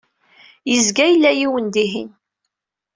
Yezga yella yiwen dihin.